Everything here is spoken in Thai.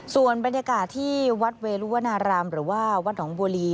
ส่วนบรรยากาศที่วัดเวรุวนารามหรือว่าวัดหนองบัวลี